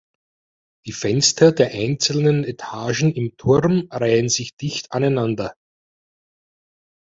Die Fenster der einzelnen Etagen im Turm reihen sich dicht aneinander.